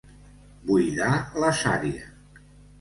Buidar la sària.